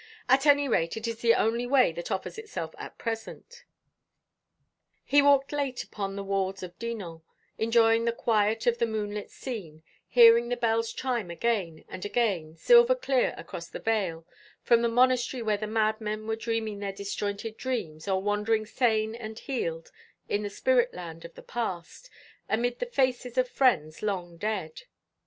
"At any rate it is the only way that offers itself at present." He walked late upon the walls of Dinan, enjoying the quiet of the moonlit scene, hearing the bells chime again and again, silver clear across the vale, from the monastery where the madmen were dreaming their disjointed dreams, or wandering sane and healed in the spirit land of the past, amid the faces of friends long dead.